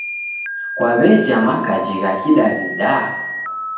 Kwaw'eja makaji gha Kidaw'ida?